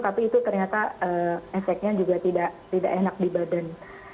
tapi itu ternyata efeknya juga tidak enak di badan